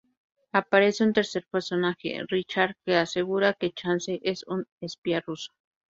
Aparece un tercer personaje, Richard, que asegura que Chance es un espía ruso.